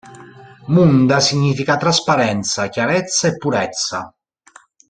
Munda significa trasparenza, chiarezza e purezza.